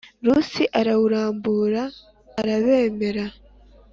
Rusi arawurambura arabemeza